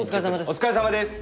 お疲れさまです。